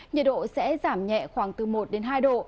nhiệt độ sẽ giảm nhẹ khoảng từ một đến hai độ